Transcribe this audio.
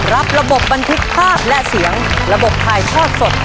ระบบบันทึกภาพและเสียงระบบถ่ายทอดสด